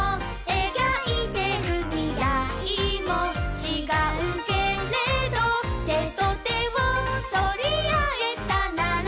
「描いてる未来も違うけれど」「手と手を取り合えたなら」